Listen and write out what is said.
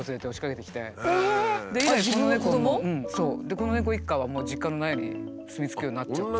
この猫一家はもう実家の納屋に住み着くようになっちゃって。